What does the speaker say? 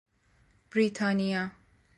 بریتانیا